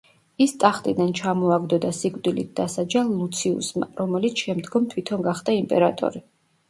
ის ტახტიდან ჩამოაგდო და სიკვდილით დასაჯა ლუციუსმა, რომელიც შემდგომ თვითონ გახდა იმპერატორი.